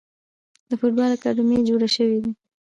د فوټبال اکاډمۍ جوړې شوي دي.